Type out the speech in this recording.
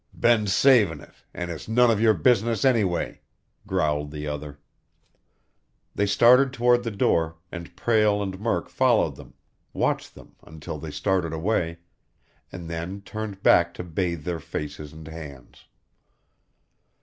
"Been savin' it, and it's none of your business anyway," growled the other. They started toward the door, and Prale and Murk followed them, watched them until they started away, and then turned back to bathe their faces and hands.